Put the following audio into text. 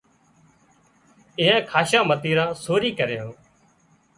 اينئائي کاشان متيران سوري ڪريان